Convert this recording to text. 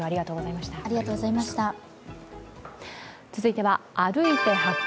続いては「歩いて発見！